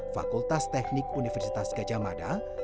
fakultas teknik universitas gajah mada